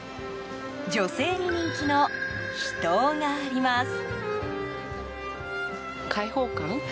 女性に人気の秘湯があります。